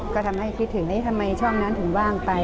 ก็ทำให้คิดถึงทำไมช่องนั้นถึงว่างไป